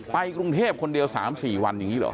ไปกรุงเทพคนเดียว๓๔วันอย่างนี้เหรอ